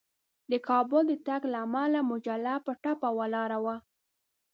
د کابل د تګ له امله مجله په ټپه ولاړه وه.